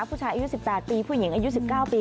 ผู้ชายอายุ๑๘ปีผู้หญิงอายุ๑๙ปี